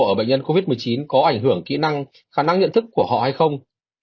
ở bệnh nhân covid một mươi chín có ảnh hưởng kỹ năng khả năng nhận thức của họ hay không